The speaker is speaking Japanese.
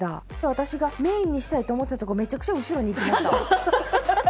私がメインにしたいと思っていたとこめちゃくちゃ後ろに行きました。